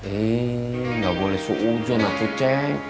eh nggak boleh suujud aku cek